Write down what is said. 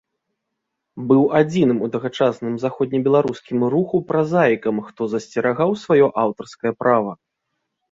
Быў адзіным у тагачасным заходнебеларускім руху празаікам, хто засцерагаў сваё аўтарскае права.